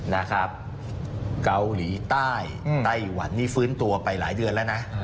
นะครับเกาหลีใต้ไต้หวันนี่ฟื้นตัวไปหลายเดือนแล้วนะ